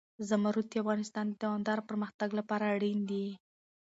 زمرد د افغانستان د دوامداره پرمختګ لپاره اړین دي.